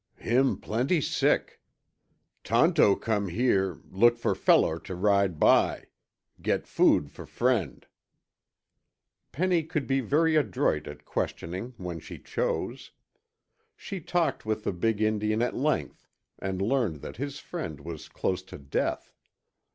"Him plenty sick. Tonto come here, look for feller to ride by. Get food for friend." Penny could be very adroit at questioning when she chose. She talked with the big Indian at length and learned that his friend was close to death.